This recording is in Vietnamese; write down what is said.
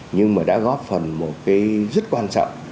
nhưng mà đã góp phần một cái rất quan trọng